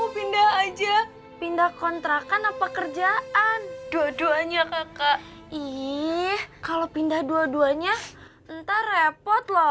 pindah kontrakan apa kerjaan dua duanya kakak ih kalau pindah dua duanya ntar repot loh